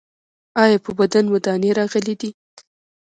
ایا په بدن مو دانې راغلي دي؟